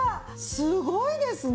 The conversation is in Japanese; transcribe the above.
すごいですね。